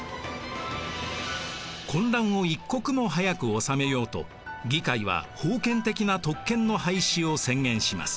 混乱を一刻も早く収めようと議会は封建的な特権の廃止を宣言します。